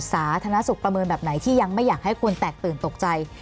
สาธารณสุขประเมินแบบไหนที่ยังไม่อยากให้คนแตกตื่นตกใจ